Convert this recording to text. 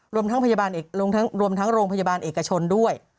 รวมทั้งโรงพยาบาลเอกชนด้วย